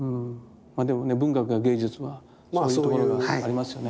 まあでもね文学や芸術はそういうところがありますよね。